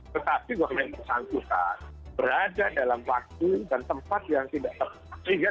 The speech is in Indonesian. tetapi walaupun sangkutan berada dalam wakil dan tempat yang tidak terlibat